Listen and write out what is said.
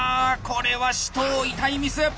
これは紫桃痛いミス。